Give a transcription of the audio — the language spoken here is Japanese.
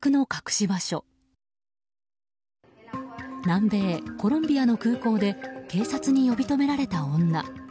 南米コロンビアの空港で警察に呼び止められた女。